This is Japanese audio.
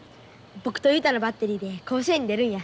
僕と雄太のバッテリーで甲子園に出るんや。